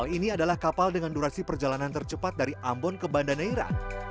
ini adalah kapal dengan durasi perjalanan tercepat dari ambon ke banda neira